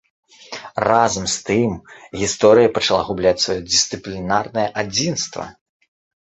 Разам з тым, гісторыя пачала губляць сваё дысцыплінарнае адзінства.